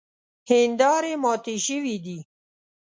هیندارې ماتې شوې دي.